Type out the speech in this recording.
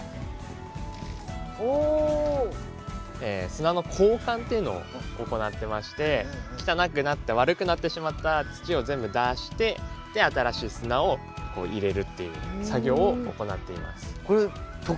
砂の交換っていうのを行ってまして汚くなった悪くなってしまった土を全部出して新しい砂を入れるっていう作業を行っています。